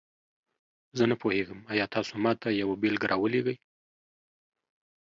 زه نه پوهیږم، آیا تاسو ماته یوه بیلګه راولیږئ؟